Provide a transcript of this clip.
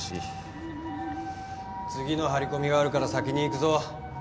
次の張り込みがあるから先に行くぞ。